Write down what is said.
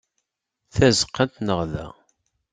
Tazeqqa n tneɣda.